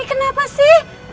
ini kenapa sih